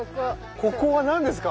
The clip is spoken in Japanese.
ここは何ですか？